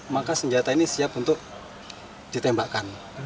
maka senjata ini siap untuk ditembakkan